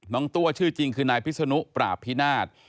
ตัวชื่อจริงคือนายพิศนุปราบพินาศ